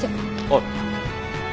おい。